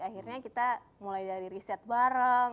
akhirnya kita mulai dari riset bareng